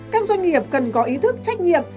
các doanh nghiệp cần có ý thức trách nhiệm